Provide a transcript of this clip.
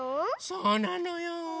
そうなのよ。